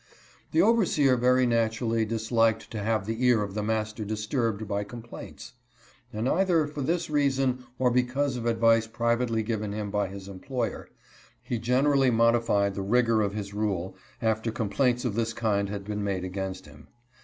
The overseer very naturally disliked to have the ear of the master disturbed by complaints ; and, either for this reason or because of advice privately given him by his employer, he generally modified the rigor of his rule after complaints of this kind had been made against him.